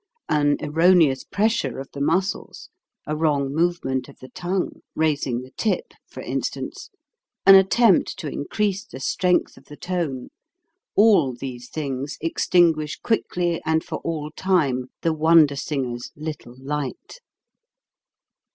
An erroneous pressure of the muscles, a wrong movement of the tongue (raising the tip, for instance, v*/"^)' an attempt to increase the strength of the tone, all these things extinguish quickly and for all time the wonder singer 's little light.